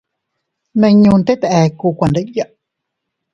Nmiñune teet eku kuandiya.